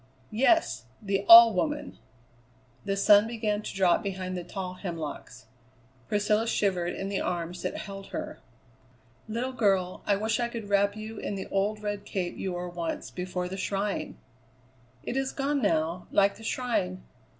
"Yes, the All Woman." The sun began to drop behind the tall hemlocks. Priscilla shivered in the arms that held her. "Little girl, I wish I could wrap you in the old red cape you wore once, before the shrine." "It is gone now, like the shrine.